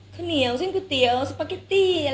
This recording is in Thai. ข้าวเหนียวเส้นก๋วยเตี๋ยวสปาเกตตี้